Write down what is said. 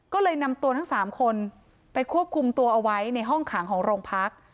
ก็เลยนำตัวทั้ง๓คนไปควบคุมตัวเอาไว้ในห้องขังของโรงพัก